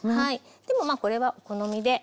でもまあこれはお好みで。